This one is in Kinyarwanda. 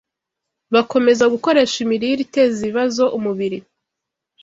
bakomeza gukoresha imirire iteza ibibazo umubiri